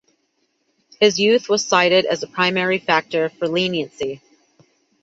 His youth was cited as the primary factor for leniency.